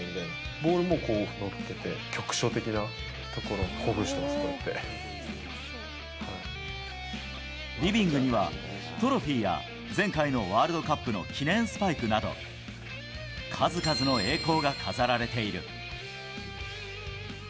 ボールも乗っけて、局所的な所をリビングには、トロフィーや前回のワールドカップの記念スパイクなど、数々の栄光が飾られている。